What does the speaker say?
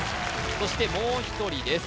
そしてもう一人です